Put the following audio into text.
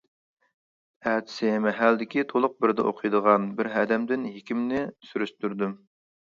ئەتىسى مەھەللىدىكى تولۇق بىردە ئوقۇيدىغان بىر ھەدەمدىن ھېكىمنى سۈرۈشتۈردۈم.